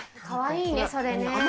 かわいいね、それね。